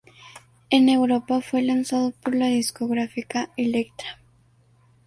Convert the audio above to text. En Europa fue lanzado por la discográfica Elektra.